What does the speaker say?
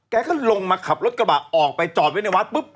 แกก็ลงมาขับรถกระบะออกไปจอดไว้ในวัดปุ๊บ